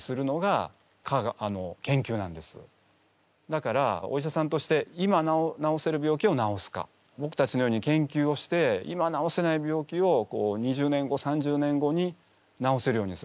だからお医者さんとして今治せる病気を治すかぼくたちのように研究をして今治せない病気を２０年後３０年後に治せるようにするか両方すごい大切で。